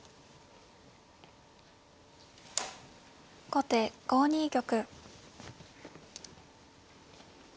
後手５二玉。